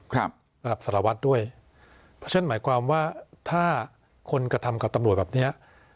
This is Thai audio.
ระดับสารวัตรด้วยเพราะฉะนั้นหมายความว่าถ้าคนกระทำกับตำรวจแบบเนี้ย